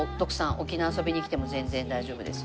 沖縄遊びに来ても全然大丈夫ですよ。